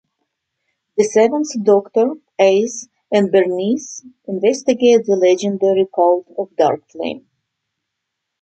The Seventh Doctor, Ace and Bernice investigate the legendary Cult of the Dark Flame.